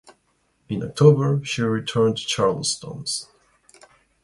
In October, she returned to Charleston.